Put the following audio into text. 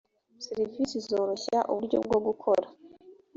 serivisi zoroshya uburyo bwo gukora